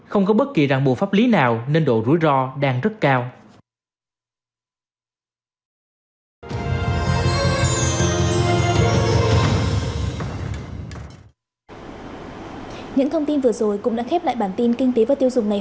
không có bất kỳ ràng buộc pháp lý nào nên độ rủi ro đang rất cao